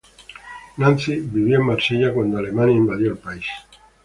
Nancy vivía en Marsella cuando Alemania invadió el país.